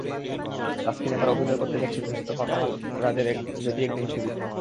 তাসকিন এবার অভিনয় করতে যাচ্ছেন মুহাম্মদ মোস্তফা কামাল রাজের যদি একদিন ছবিতে।